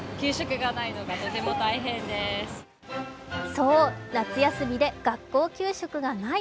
そう、夏休みで学校給食がない。